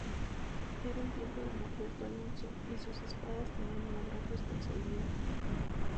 Era el tiempo de Norberto Alonso, y sobre sus espaldas tenía una gran responsabilidad.